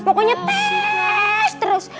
pokoknya tes terus